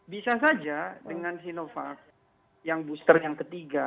bisa saja dengan sinovac yang booster yang ketiga